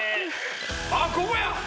あっここや！